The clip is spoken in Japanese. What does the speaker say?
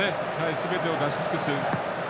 すべてを出し尽くすという。